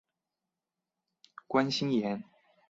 关心妍